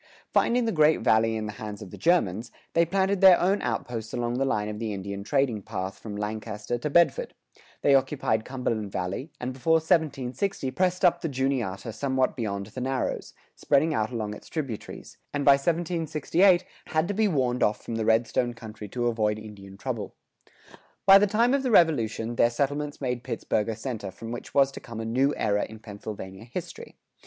Finding the Great Valley in the hands of the Germans, they planted their own outposts along the line of the Indian trading path from Lancaster to Bedford; they occupied Cumberland Valley, and before 1760 pressed up the Juniata somewhat beyond the narrows, spreading out along its tributaries, and by 1768 had to be warned off from the Redstone country to avoid Indian trouble. By the time of the Revolution, their settlements made Pittsburgh a center from which was to come a new era in Pennsylvania history.